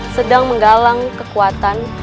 sedang menggalang kekuatan